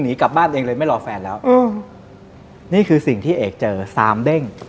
หนีกลับบ้านเองเลยไม่รอแฟนแล้วอืมนี่คือสิ่งที่เอกเจอซามเด้ง